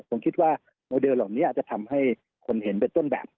ผมคิดว่าโมเดลเหล่านี้จะทำให้คนเห็นเป็นต้นแบบ